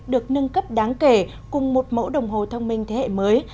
được nâng cấp đáng kể cùng một mẫu đồng hồ thông minh thế hệ mới